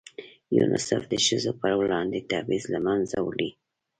یونیسف د ښځو په وړاندې تبعیض له منځه وړي.